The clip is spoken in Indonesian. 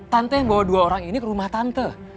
tante yang bawa dua orang ini ke rumah tante